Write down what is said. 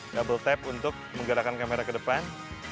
double tap untuk menggerakkan kamera ke depan